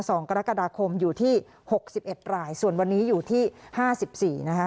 สองกรกฎาคมอยู่ที่หกสิบเอ็ดรายส่วนวันนี้อยู่ที่ห้าสิบสี่นะคะ